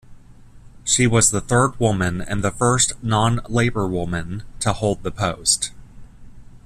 She was the third woman, and the first non-Labor woman, to hold the post.